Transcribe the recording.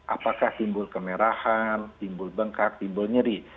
apakah timbul kemerahan timbul bengkak timbul nyeri